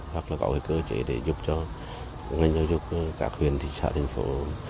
hoặc là có cơ chế để giúp cho ngành giáo dục các huyện thị trạng thành phố